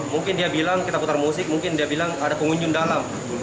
mungkin dia bilang kita putar musik mungkin dia bilang ada pengunjung dalam